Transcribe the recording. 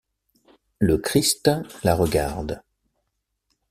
Le Christ la regarde.